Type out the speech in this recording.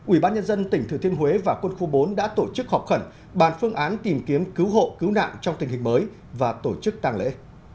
ubnd tỉnh thừa thiên huế và quân khu bốn đã tổ chức họp khẩn bàn phương án tìm kiếm cứu hộ cứu nạn trong tình hình mới và tổ chức tăng lễ